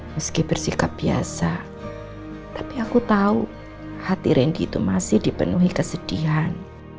meski bersikap biasa tapi aku tahu hati randy itu masih dipenuhi kesedihan